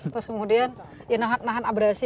terus kemudian nahan abrasi